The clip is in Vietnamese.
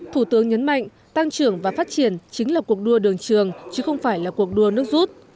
thủ tướng nhấn mạnh tăng trưởng và phát triển chính là cuộc đua đường trường chứ không phải là cuộc đua nước rút